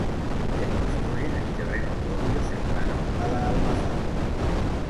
Se construyen en terreno propio cercano a la almazara.